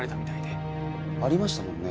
ありましたもんね。